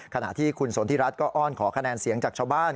ขณะที่คุณสนทิรัฐก็อ้อนขอคะแนนเสียงจากชาวบ้าน